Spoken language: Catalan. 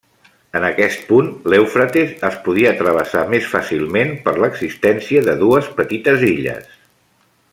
En aquest punt l'Eufrates es podia travessar més fàcilment per l'existència de dues petites illes.